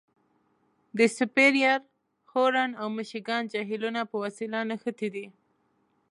د سوپریر، هورن او میشګان جهیلونه په وسیله نښتي دي.